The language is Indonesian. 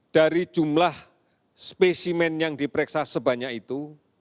dari jumlah spesimen yang diperiksa sebanyak itu